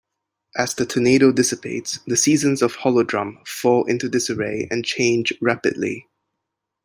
As the tornado dissipates, the seasons of Holodrum fall into disarray and change rapidly.